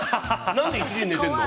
何で１時に寝てるの？